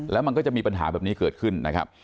แล้วมันก็จะมีปัญหาแบบนี้เกิดขึ้นนะครับ